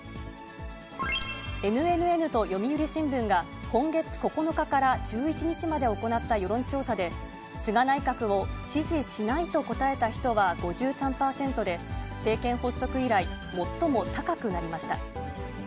ＮＮＮと読売新聞が、今月９日から１１日まで行った世論調査で、菅内閣を支持しないと答えた人は５３％で、政権発足以来、最も高くなりました。